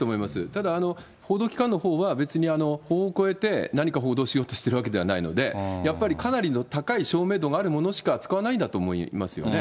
ただ報道機関のほうは、別に法を超えて何か報道しようとしているわけではないので、やっぱりかなりの高い証明度があるものしか扱わないんだと思いますよね。